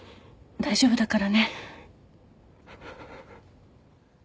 大丈夫だから。